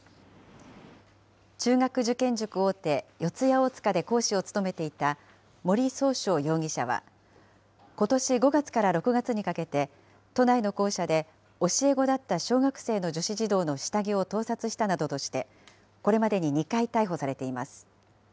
中学受験塾大手、四谷大塚で講師を務めていた森崇翔容疑者は、ことし５月から６月にかけて、都内の校舎で教え子だった小学生の女子児童の下着を盗撮したなどとして、これまでに２回逮捕されています。